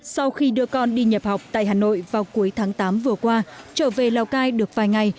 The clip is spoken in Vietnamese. sau khi đưa con đi nhập học tại hà nội vào cuối tháng tám vừa qua trở về lào cai được vài ngày